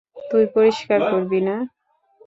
তুই পরিষ্কার করবি না?